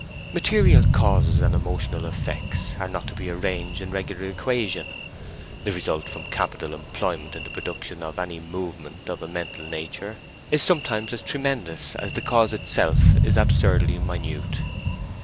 Material causes and emotional effects are not to be arranged in regular equation. The result from capital employed in the production of any movement of a mental nature is sometimes as tremendous as the cause itself is absurdly minute.